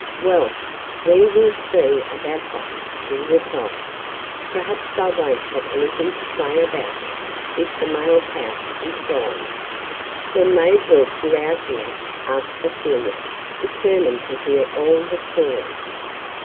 "Well, we will see about that," he replied. "Perhaps I won't have anything to say about it if the mailpouch is gone." "Then they brought you out here?" asked Cecilia, determined to hear all the story.